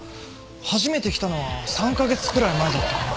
初めて来たのは３カ月くらい前だったかな。